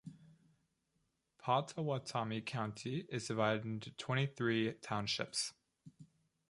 Pottawatomie County is divided into twenty-three townships.